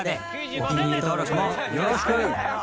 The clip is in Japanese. お気に入り登録もよろしく！